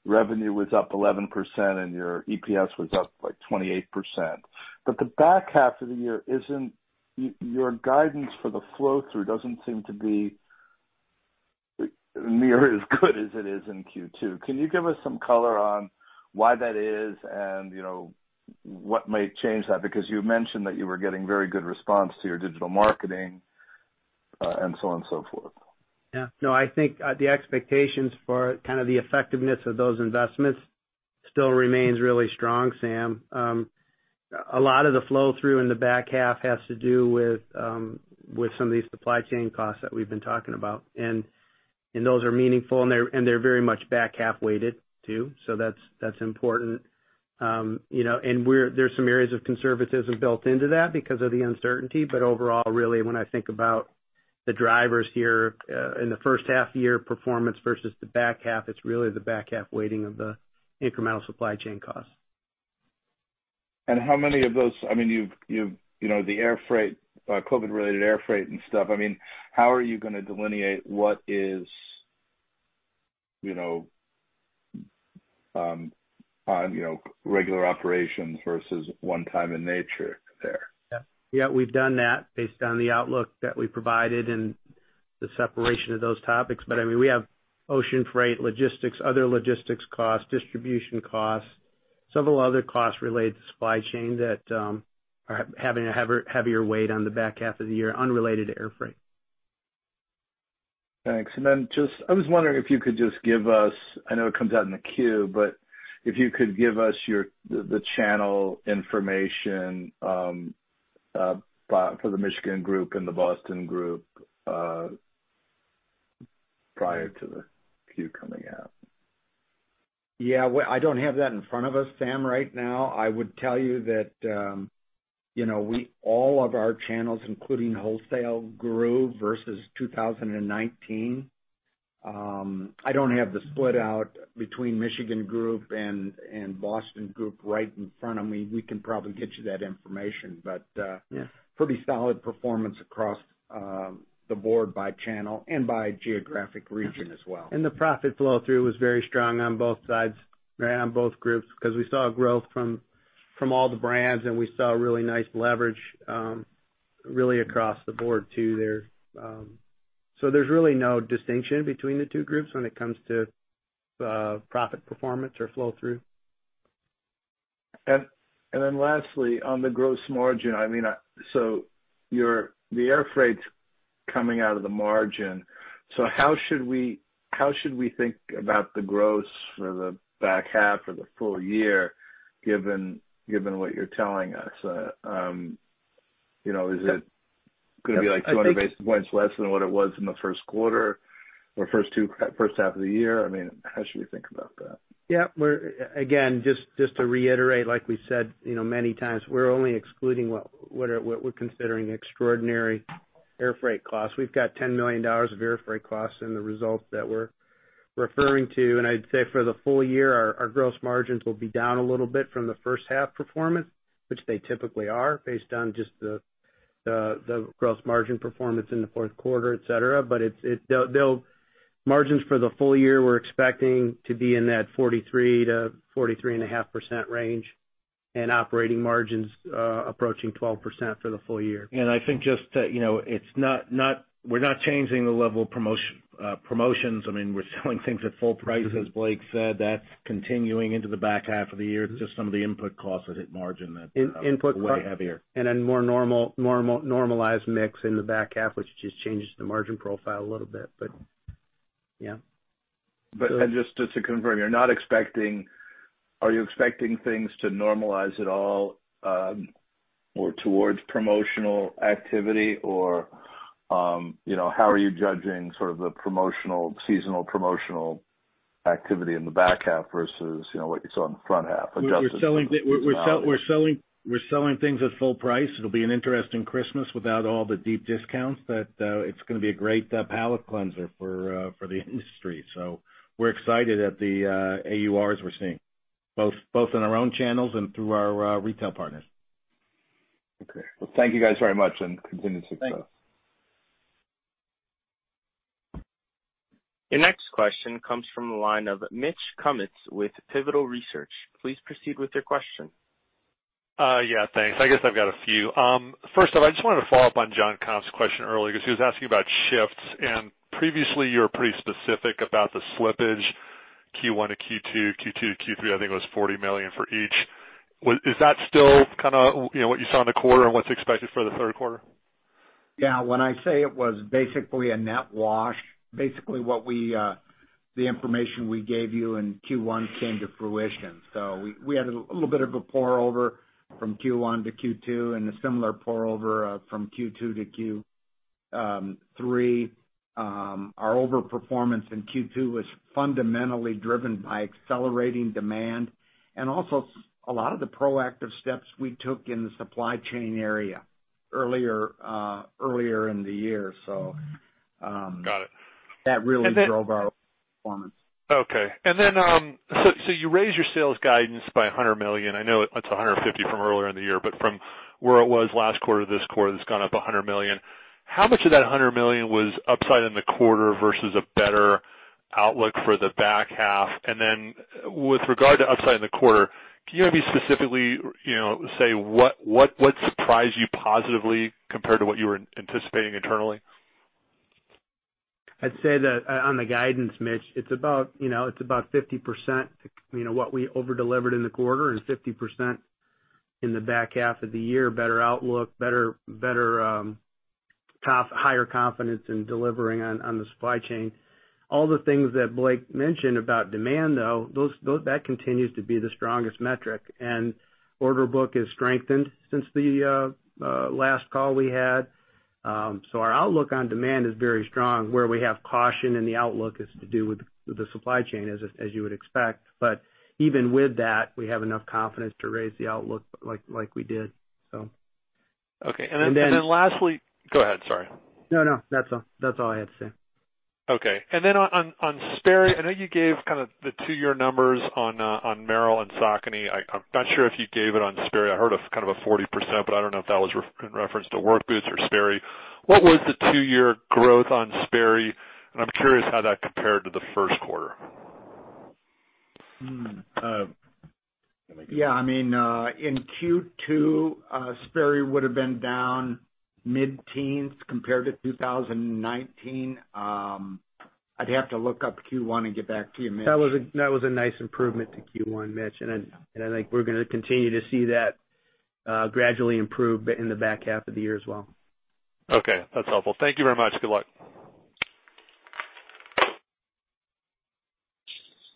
revenue was up 11% and your EPS was up like 28%. The back half of the year, your guidance for the flow through doesn't seem to be near as good as it is in Q2. Can you give us some color on why that is and what might change that? You mentioned that you were getting very good response to your digital marketing and so on and so forth. I think the expectations for the effectiveness of those investments still remains really strong, Sam. A lot of the flow through in the back half has to do with some of these supply chain costs that we've been talking about. Those are meaningful, and they're very much back half weighted, too. That's important. There's some areas of conservatism built into that because of the uncertainty. Overall, really, when I think about the drivers here in the first half year performance versus the back half, it's really the back half weighting of the incremental supply chain costs. How many of those COVID-related air freight and stuff, how are you going to delineate what is on regular operations versus one time in nature there? Yeah. We've done that based on the outlook that we provided and the separation of those topics. We have ocean freight logistics, other logistics costs, distribution costs, several other costs related to supply chain that are having a heavier weight on the back half of the year, unrelated to air freight. Thanks. I was wondering if you could just give us, I know it comes out in the Q, but if you could give us the channel information for the Michigan group and the Boston group prior to the Q coming out? I don't have that in front of us, Sam, right now. I would tell you that all of our channels, including wholesale, grew versus 2019. I don't have the split out between Wolverine Michigan Group and Wolverine Boston Group right in front of me. We can probably get you that information. Yeah Pretty solid performance across the board by channel and by geographic region as well. The profit flow through was very strong on both sides and on both groups, because we saw growth from all the brands, and we saw really nice leverage, really across the board too there. There's really no distinction between the two groups when it comes to profit performance or flow through. Lastly, on the gross margin. The air freight's coming out of the margin. How should we think about the gross for the back half or the full year, given what you're telling us? Is it going to be like 200 basis points less than what it was in the first quarter or first half of the year? How should we think about that? Yeah. Again, just to reiterate, like we said many times, we're only excluding what we're considering extraordinary air freight costs. We've got $10 million of air freight costs in the results that we're referring to. I'd say for the full year, our gross margins will be down a little bit from the first half performance, which they typically are based on just the gross margin performance in the fourth quarter, et cetera. Margins for the full year, we're expecting to be in that 43%-43.5% range, and operating margins approaching 12% for the full year. I think we're not changing the level of promotions. We're selling things at full price, as Blake said. That's continuing into the back half of the year. It's just some of the input costs that hit margin that are way heavier. Then more normalized mix in the back half, which just changes the margin profile a little bit. Yeah. Just to confirm, are you expecting things to normalize at all, more towards promotional activity? Or how are you judging sort of the seasonal promotional activity in the back half versus what you saw in the front half, adjusted for seasonality? We're selling things at full price. It'll be an interesting Christmas without all the deep discounts. It's going to be a great palate cleanser for the industry. We're excited at the AURs we're seeing, both in our own channels and through our retail partners. Okay. Well, thank you guys very much, and continue to succeed. Thanks. The next question comes from the line of Mitch Kummetz with Pivotal Research. Please proceed with your question. Yeah, thanks. I guess I've got a few. First off, I just wanted to follow up on Jonathan Komp's question earlier, because he was asking about shifts, and previously you were pretty specific about the slippage, Q1 to Q2 to Q3, I think it was $40 million for each. Is that still kind of what you saw in the quarter and what's expected for the third quarter? When I say it was basically a net wash, basically the information we gave you in Q1 came to fruition. We had a little bit of a pour over from Q1 to Q2 and a similar pour over from Q2-Q3. Our overperformance in Q2 was fundamentally driven by accelerating demand and also a lot of the proactive steps we took in the supply chain area earlier in the year. Got it. That really drove our performance. Okay. You raised your sales guidance by $100 million. I know that's $150 from earlier in the year, but from where it was last quarter to this quarter, that's gone up $100 million. How much of that $100 million was upside in the quarter versus a better outlook for the back half? With regard to upside in the quarter, can you maybe specifically say what surprised you positively compared to what you were anticipating internally? I'd say that on the guidance, Mitch, it's about 50% what we over-delivered in the quarter and 50% in the back half of the year. Better outlook, higher confidence in delivering on the supply chain. All the things that Blake mentioned about demand, though, that continues to be the strongest metric. Order book has strengthened since the last call we had. Our outlook on demand is very strong. Where we have caution in the outlook is to do with the supply chain, as you would expect. Even with that, we have enough confidence to raise the outlook like we did. Okay. Then lastly. Go ahead, sorry. No, no. That's all I had to say. Okay. On Sperry, I know you gave kind of the two-year numbers on Merrell and Saucony. I'm not sure if you gave it on Sperry. I heard of kind of a 40%, I don't know if that was in reference to work boots or Sperry. What was the two-year growth on Sperry? I'm curious how that compared to the first quarter. In Q2, Sperry would've been down mid-teens compared to 2019. I'd have to look up Q1 and get back to you, Mitch. That was a nice improvement to Q1, Mitch, and I think we're going to continue to see that gradually improve in the back half of the year as well. Okay. That's helpful. Thank you very much. Good luck.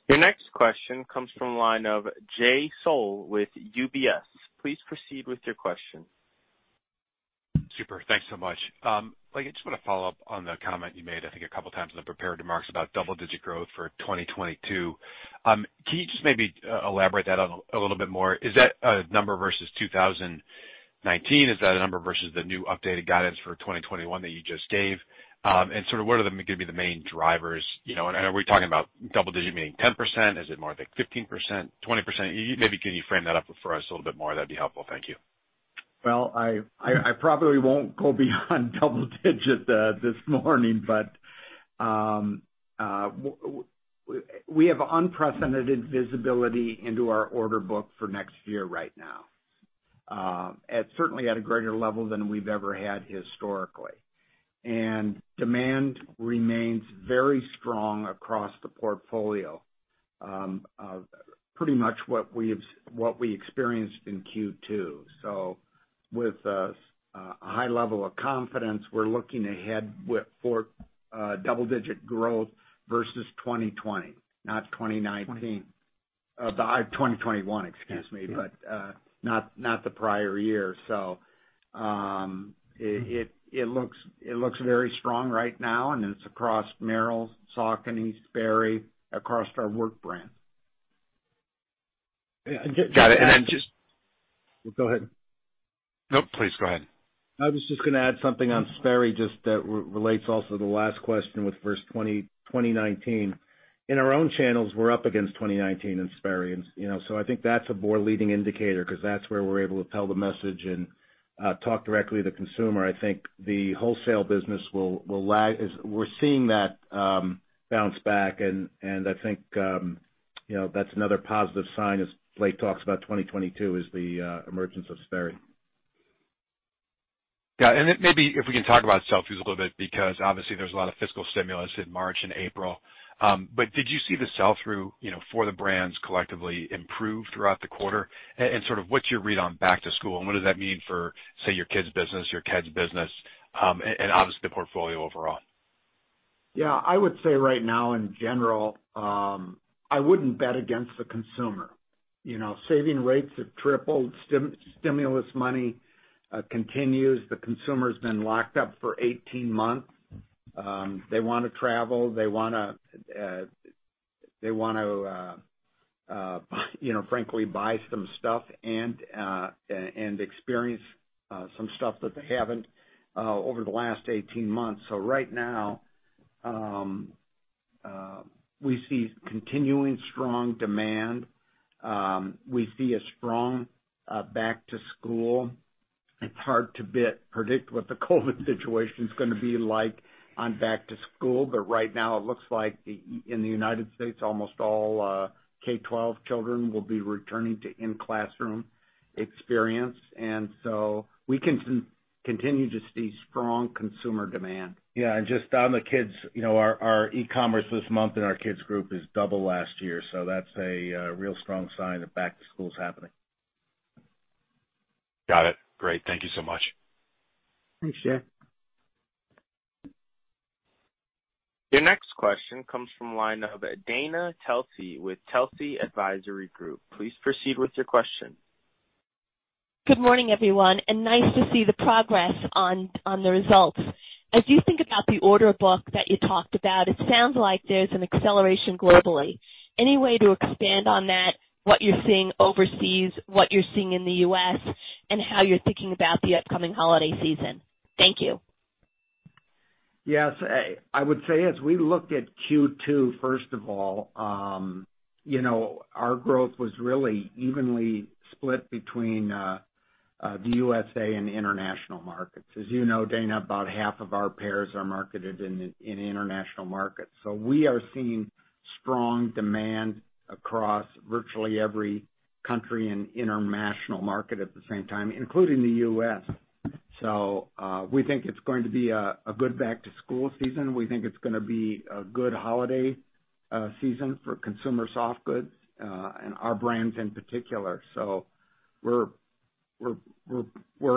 Your next question comes from the line of Jay Sole with UBS. Please proceed with your question. Super. Thanks so much. Blake, I just want to follow up on the comment you made, I think a couple of times in the prepared remarks about double-digit growth for 2022. Can you just maybe elaborate that out a little bit more? Is that a number versus 2019? Is that a number versus the new updated guidance for 2021 that you just gave? Sort of what are going to be the main drivers? Are we talking about double-digit meaning 10%? Is it more like 15%, 20%? Maybe can you frame that up for us a little bit more, that'd be helpful. Thank you. Well, I probably won't go beyond double-digit this morning, we have unprecedented visibility into our order book for next year right now. Certainly at a greater level than we've ever had historically. Demand remains very strong across the portfolio. Pretty much what we experienced in Q2. With a high level of confidence, we're looking ahead for double-digit growth versus 2020, not 2019. 20- 2021, excuse me. Yeah. Not the prior year. It looks very strong right now, and it's across Merrell, Saucony, Sperry, across our Wolverine brand. And just- Got it. Go ahead. No, please go ahead. I was just going to add something on Sperry just that relates also to the last question with first 2019. In our own channels, we're up against 2019 in Sperry. I think that's a more leading indicator because that's where we're able to tell the message and talk directly to consumer. I think the wholesale business, we're seeing that bounce back and I think that's another positive sign as Blake talks about 2022 is the emergence of Sperry. Yeah. Maybe if we can talk about sell-throughs a little bit, because obviously there's a lot of fiscal stimulus in March and April. Did you see the sell-through for the brands collectively improve throughout the quarter? Sort of what's your read on back to school, and what does that mean for, say, your kids business, your Keds business, and obviously the portfolio overall? Yeah. I would say right now in general, I wouldn't bet against the consumer. Saving rates have tripled. Stimulus money continues. The consumer's been locked up for 18 months. They want to travel. They want to frankly buy some stuff and experience some stuff that they haven't over the last 18 months. Right now, we see continuing strong demand. We see a strong back to school. It's hard to predict what the COVID-19 situation's going to be like on back to school. Right now it looks like in the U.S., almost all K-12 children will be returning to in-classroom experience. We continue to see strong consumer demand. Yeah. Just on the Keds, our e-commerce this month in our Keds group is double last year. That's a real strong sign that back to school is happening. Got it. Great. Thank you so much. Thanks, Jay. Your next question comes from line of Dana Telsey with Telsey Advisory Group. Please proceed with your question. Good morning, everyone, and nice to see the progress on the results. As you think about the order book that you talked about, it sounds like there's an acceleration globally. Any way to expand on that, what you're seeing overseas, what you're seeing in the U.S., and how you're thinking about the upcoming holiday season? Thank you. Yes. I would say as we looked at Q2 first of all, our growth was really evenly split between the USA and international markets. As you know, Dana, about half of our pairs are marketed in international markets. We are seeing strong demand across virtually every country and international market at the same time, including the U.S. We think it's going to be a good back to school season. We think it's going to be a good holiday season for consumer soft goods, and our brands in particular. We're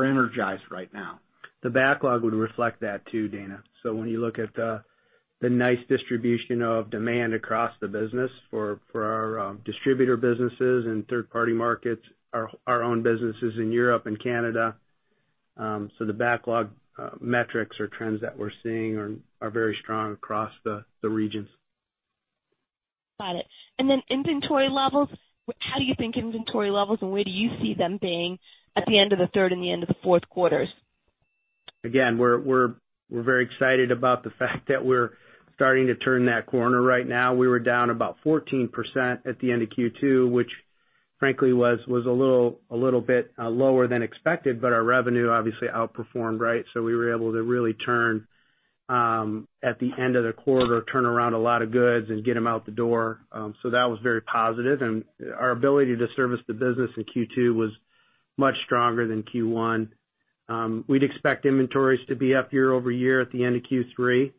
energized right now. The backlog would reflect that too, Dana. When you look at the nice distribution of demand across the business for our distributor businesses and third party markets, our own businesses in Europe and Canada, the backlog metrics or trends that we're seeing are very strong across the regions. Got it. Inventory levels, how do you think inventory levels and where do you see them being at the end of the third and the end of the fourth quarters? We're very excited about the fact that we're starting to turn that corner right now. We were down about 14% at the end of Q2. Was a little bit lower than expected, our revenue obviously outperformed, right? We were able to really, at the end of the quarter, turn around a lot of goods and get them out the door. That was very positive, and our ability to service the business in Q2 was much stronger than Q1. We'd expect inventories to be up year-over-year at the end of Q3,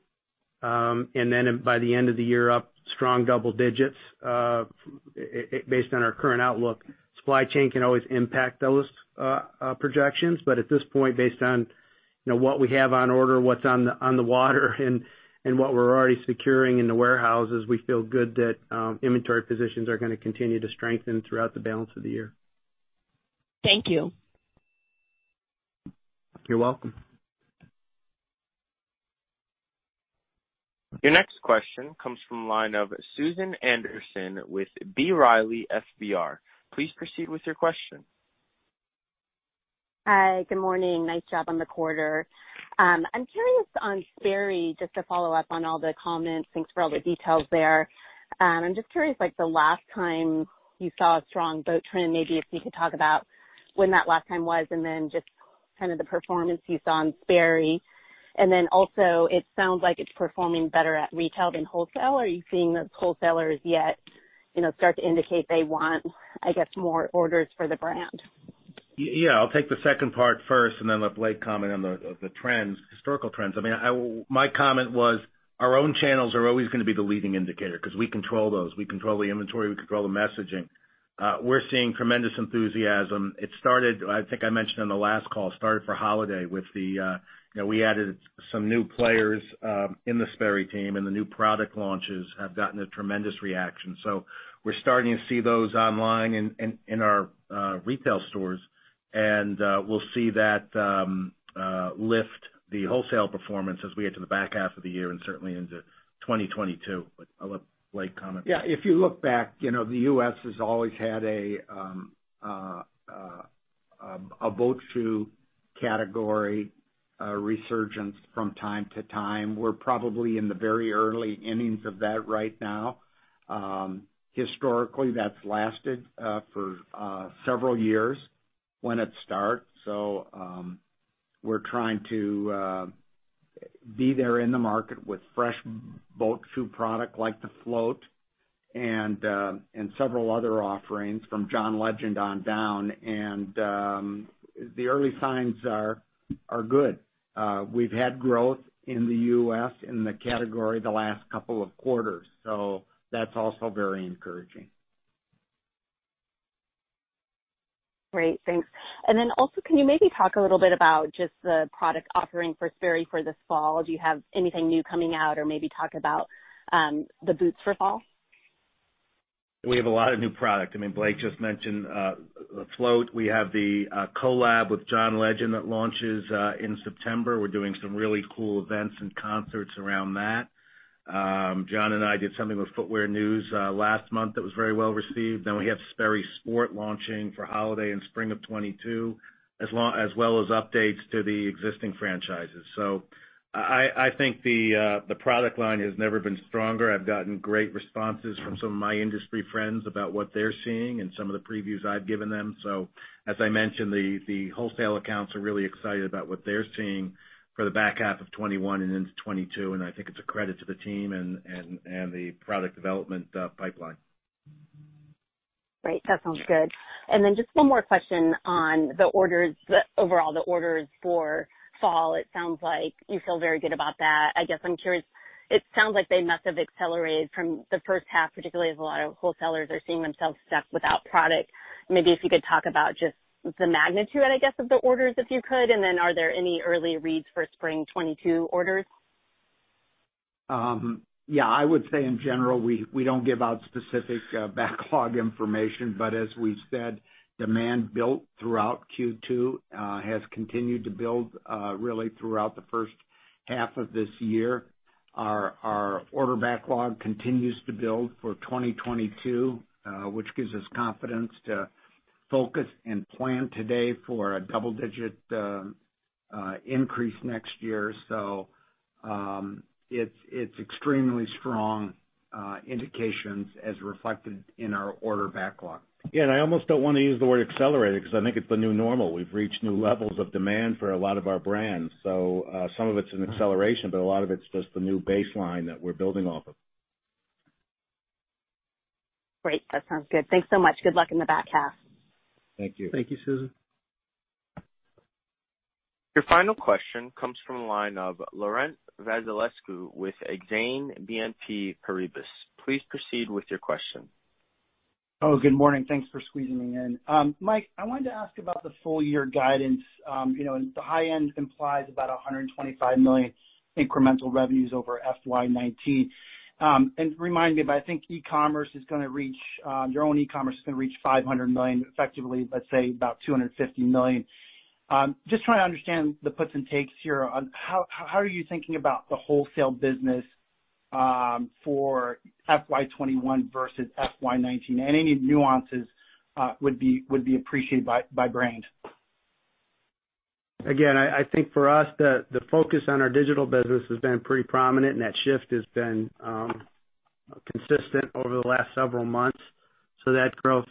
by the end of the year, up strong double digits, based on our current outlook. Supply chain can always impact those projections, at this point, based on what we have on order, what's on the water, and what we're already securing in the warehouses, we feel good that inventory positions are going to continue to strengthen throughout the balance of the year. Thank you. You're welcome. Your next question comes from the line of Susan Anderson with B. Riley FBR. Please proceed with your question. Hi. Good morning. Nice job on the quarter. I'm curious on Sperry, just to follow up on all the comments. Thanks for all the details there. I'm just curious, the last time you saw a strong boat trend, maybe if you could talk about when that last time was, and then just kind of the performance you saw on Sperry. Also, it sounds like it's performing better at retail than wholesale. Are you seeing those wholesalers yet start to indicate they want, I guess, more orders for the brand? Yeah. I'll take the second part first and then let Blake comment on the historical trends. My comment was, our own channels are always going to be the leading indicator because we control those. We control the inventory. We control the messaging. We're seeing tremendous enthusiasm. It started, I think I mentioned on the last call, it started for holiday with we added some new players in the Sperry team, the new product launches have gotten a tremendous reaction. We're starting to see those online in our retail stores, we'll see that lift the wholesale performance as we get to the back half of the year and certainly into 2022. I'll let Blake comment. Yeah, if you look back, the U.S. has always had a boat shoe category resurgence from time to time. We're probably in the very early innings of that right now. Historically, that's lasted for several years when it starts. We're trying to be there in the market with fresh boat shoe product like the Float and several other offerings from John Legend on down, and the early signs are good. We've had growth in the U.S. in the category the last couple of quarters, that's also very encouraging. Great. Thanks. Also, can you maybe talk a little bit about just the product offering for Sperry for this fall? Do you have anything new coming out? Or maybe talk about the boots for fall. We have a lot of new product. Blake just mentioned Float. We have the collab with John Legend that launches in September. We're doing some really cool events and concerts around that. John and I did something with Footwear News last month that was very well received. We have Sperry Sport launching for holiday and spring of 2022, as well as updates to the existing franchises. I think the product line has never been stronger. I've gotten great responses from some of my industry friends about what they're seeing and some of the previews I've given them. As I mentioned, the wholesale accounts are really excited about what they're seeing for the back half of 2021 and into 2022, and I think it's a credit to the team and the product development pipeline. Great. That sounds good. Just one more question on the orders. Overall, the orders for fall, it sounds like you feel very good about that. I guess I'm curious, it sounds like they must have accelerated from the first half, particularly as a lot of wholesalers are seeing themselves stuck without product. Maybe if you could talk about just the magnitude, I guess, of the orders, if you could. Are there any early reads for spring 2022 orders? Yeah. I would say in general, we don't give out specific backlog information. As we've said, demand built throughout Q2 has continued to build really throughout the first half of this year. Our order backlog continues to build for 2022, which gives us confidence to focus and plan today for a double-digit increase next year. It's extremely strong indications as reflected in our order backlog. Yeah, I almost don't want to use the word accelerated because I think it's the new normal. We've reached new levels of demand for a lot of our brands. Some of it's an acceleration, but a lot of it's just the new baseline that we're building off of. Great. That sounds good. Thanks so much. Good luck in the back half. Thank you. Thank you, Susan. Your final question comes from the line of Laurent Vasilescu with Exane BNP Paribas. Please proceed with your question. Good morning. Thanks for squeezing me in. Mike, I wanted to ask about the full year guidance. The high end implies about $125 million incremental revenues over FY 2019. Remind me, but I think your own e-commerce is going to reach $500 million effectively, let's say about $250 million. Just trying to understand the puts and takes here on how are you thinking about the wholesale business for FY 2021 versus FY 2019? Any nuances would be appreciated by brand. I think for us, the focus on our digital business has been pretty prominent, and that shift has been consistent over the last several months. That growth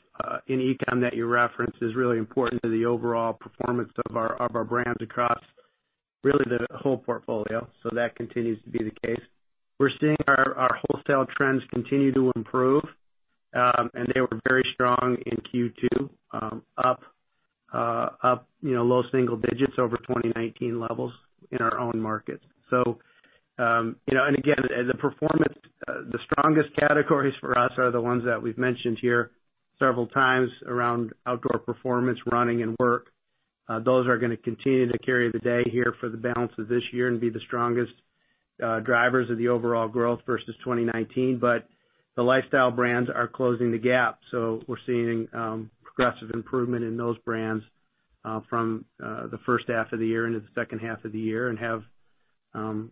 in e-com that you referenced is really important to the overall performance of our brands across really the whole portfolio. That continues to be the case. We're seeing our wholesale trends continue to improve, and they were very strong in Q2, up low single digits over 2019 levels in our own markets. Again, the strongest categories for us are the ones that we've mentioned here several times around outdoor performance, running, and work. Those are going to continue to carry the day here for the balance of this year and be the strongest drivers of the overall growth versus 2019. The lifestyle brands are closing the gap, so we're seeing progressive improvement in those brands from the first half of the year into the second half of the year and have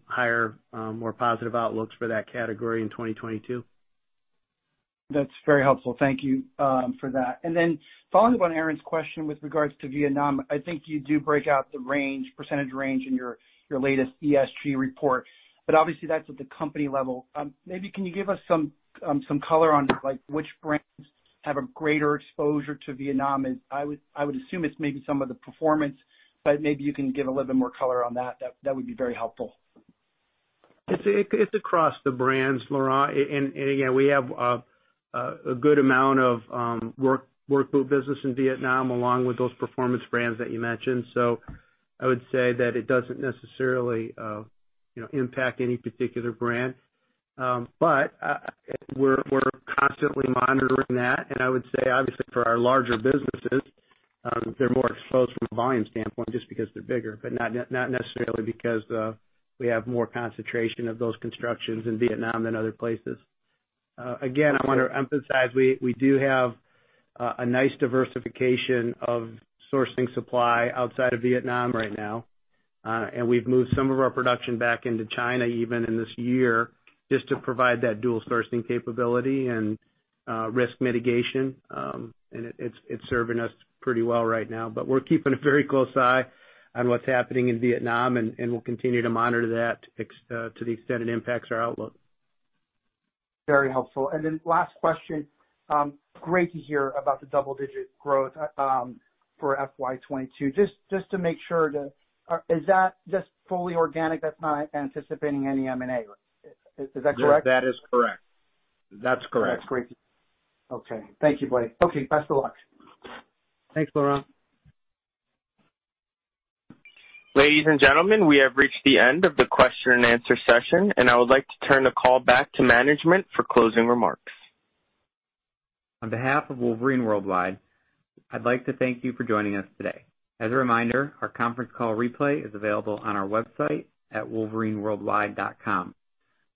higher, more positive outlooks for that category in 2022. That's very helpful. Thank you for that. Following up on Erinn's question with regards to Vietnam, I think you do break out the percentage range in your latest ESG report, obviously, that's at the company level. Maybe can you give us some color on which brands have a greater exposure to Vietnam? I would assume it's maybe some of the performance, maybe you can give a little bit more color on that. That would be very helpful. It's across the brands, Laurent. Again, we have a good amount of work boot business in Vietnam, along with those performance brands that you mentioned. I would say that it doesn't necessarily impact any particular brand. We're constantly monitoring that, and I would say, obviously, for our larger businesses, they're more exposed from a volume standpoint just because they're bigger, but not necessarily because we have more concentration of those constructions in Vietnam than other places. Again, I want to emphasize, we do have a nice diversification of sourcing supply outside of Vietnam right now. We've moved some of our production back into China, even in this year, just to provide that dual sourcing capability and risk mitigation, and it's serving us pretty well right now. We're keeping a very close eye on what's happening in Vietnam, and we'll continue to monitor that to the extent it impacts our outlook. Very helpful. Last question. Great to hear about the double-digit growth for FY 2022. Just to make sure, is that just fully organic? That's not anticipating any M&A? Is that correct? That is correct. That's correct. That's great. Okay. Thank you, Blake. Okay, best of luck. Thanks, Laurent. Ladies and gentlemen, we have reached the end of the question and answer session. I would like to turn the call back to management for closing remarks. On behalf of Wolverine World Wide, I'd like to thank you for joining us today. As a reminder, our conference call replay is available on our website at wolverineworldwide.com.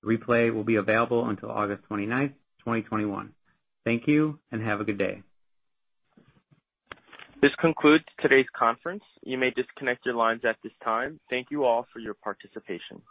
The replay will be available until August 29th, 2021. Thank you, and have a good day. This concludes today's conference. You may disconnect your lines at this time. Thank you all for your participation.